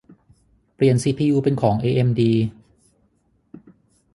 เปลี่ยนซีพียูเป็นของเอเอ็มดี